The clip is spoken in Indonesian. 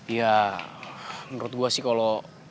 ya menurut gue sih kalau